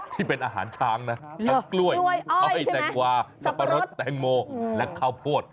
ที่เป็นอาหารช้างนะทั้งกล้วยอ้อยแตงกวาสับปะรดแตงโมและข้าวโพด